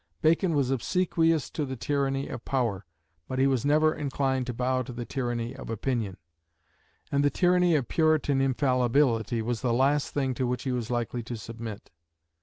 Bacon was obsequious to the tyranny of power, but he was never inclined to bow to the tyranny of opinion; and the tyranny of Puritan infallibility was the last thing to which he was likely to submit.